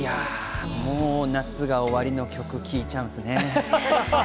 もう夏が終わりの曲、聴いちゃうんですね。